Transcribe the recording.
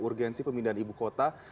urgensi pemindahan ibu kota